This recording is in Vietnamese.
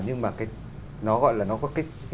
nhưng mà nó gọi là nó có cái